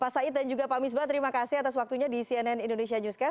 pak said dan juga pak misbah terima kasih atas waktunya di cnn indonesia newscast